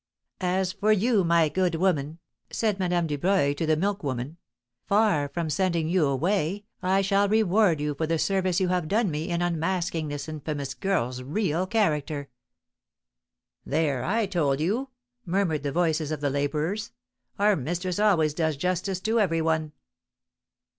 "As for you, my good woman," said Madame Dubreuil to the milk woman, "far from sending you away I shall reward you for the service you have done me in unmasking this infamous girl's real character." "There, I told you," murmured the voices of the labourers, "our mistress always does justice to every one!"